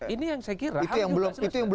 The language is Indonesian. ini yang saya kira itu yang belum bisa